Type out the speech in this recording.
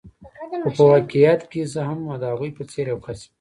خو په واقعیت کې زه هم د هغوی په څېر یو کس یم.